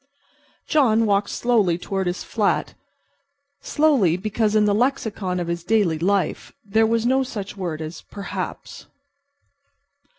John walked slowly toward his flat. Slowly, because in the lexicon of his daily life there was no such word as "perhaps."